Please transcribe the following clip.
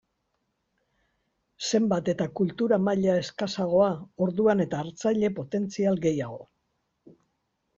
Zenbat eta kultura maila eskasagoa orduan eta hartzaile potentzial gehiago.